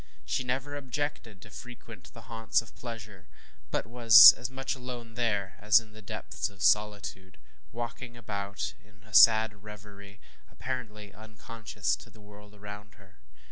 She never objected to frequent the haunts of pleasure, but was as much alone there as in the depths of solitude; walking about in a sad revery, apparently unconscious of the world around her.